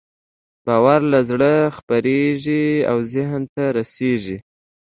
باور له زړه خپرېږي او ذهن ته رسېږي.